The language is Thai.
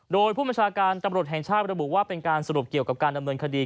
โดยผู้บัญชาการตำรวจแห่งชาติระบุว่าเป็นการสรุปเกี่ยวกับการดำเนินคดี